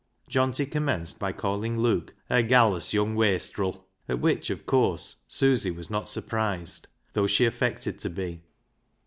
Johnty commenced by calling Luke a "gallus young wastril," at which, of course, Susy was not surprised, though she affected to be.